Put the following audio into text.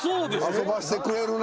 遊ばしてくれるな。